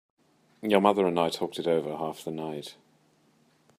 Your mother and I talked it over half the night.